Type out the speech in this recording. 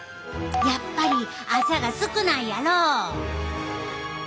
やっぱり朝が少ないやろ！